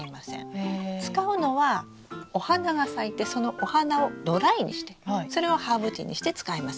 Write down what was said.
使うのはお花が咲いてそのお花をドライにしてそれをハーブティーにして使います。